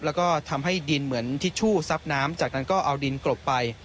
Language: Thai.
แล้วก็ทำให้ดินเหมือนทิชชู่ซับน้ำจากนั้นก็เอาดินกรบไป